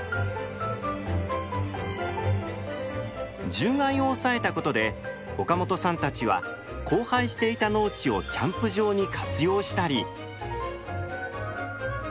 獣害を抑えたことで岡本さんたちは荒廃していた農地をキャンプ場に活用したり。